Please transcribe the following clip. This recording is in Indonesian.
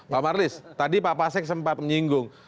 pak marlis tadi pak pasek sempat menyinggung